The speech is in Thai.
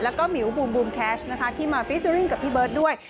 แล้วก็หมิวบูมบูมแคชนะคะที่มาฟิเจอร์ริ่งกับพี่เบิร์ตด้วย